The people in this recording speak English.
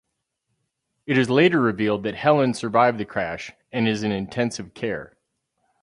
It is later revealed that Heller survived the crash and is in intensive care.